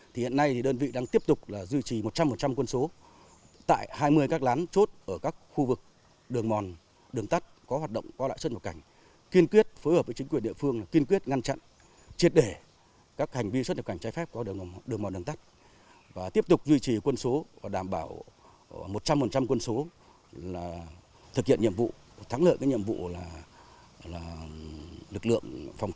thực hiện nhiệm vụ thắng lợi cái nhiệm vụ là lực lượng phòng chống dịch bệnh trên tuyến đầu của bộ đội biên phòng